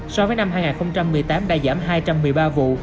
so với năm hai nghìn một mươi tám đã giảm hai trăm một mươi ba vụ